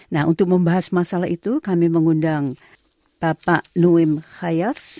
nah untuk membahas masalah itu kami mengundang bapak luim hayat